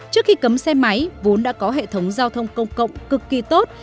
trước khi cấm xe máy vốn đã có hệ thống giao thông công cộng cực kỳ tốt